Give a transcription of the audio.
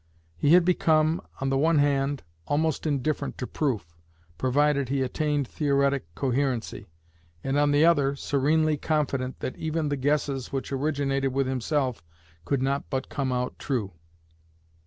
He had become, on the one hand, almost indifferent to proof, provided he attained theoretic coherency, and on the other, serenely confident that even the guesses which originated with himself could not but come out true.